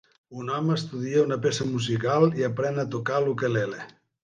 Un home estudia una peça musical i aprèn a tocar l'ukulele.